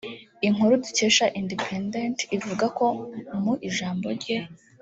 Inkuru dukesha Independent ivuga ko mu ijambo rye